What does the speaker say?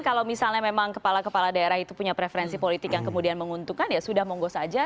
kalau misalnya memang kepala kepala daerah itu punya preferensi politik yang kemudian menguntungkan ya sudah monggo saja